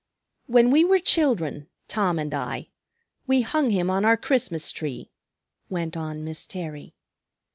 "When we were children, Tom and I, we hung him on our Christmas tree," went on Miss Terry.